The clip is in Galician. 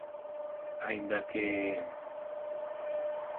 Aínda que….